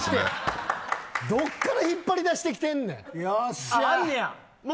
どこから引っ張り出してきてんねん。